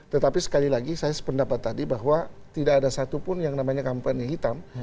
tetapi sekali lagi saya sependapat tadi bahwa tidak ada satupun yang namanya kampanye hitam